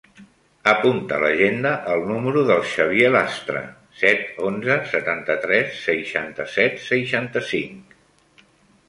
Apunta a l'agenda el número del Xavier Lastra: set, onze, setanta-tres, seixanta-set, seixanta-cinc.